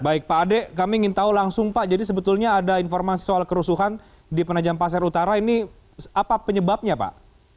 baik pak ade kami ingin tahu langsung pak jadi sebetulnya ada informasi soal kerusuhan di penajam pasir utara ini apa penyebabnya pak